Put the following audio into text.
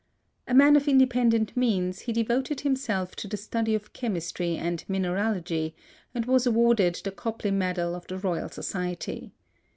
A man of independent means, he devoted himself to the study of chemistry and mineralogy and was awarded the Copley medal of the Royal Society.